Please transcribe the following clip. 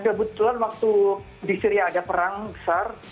jadi kebetulan waktu di syria ada perang besar